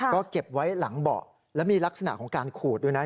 ก็เก็บไว้หลังเบาะแล้วมีลักษณะของการขูดด้วยนะ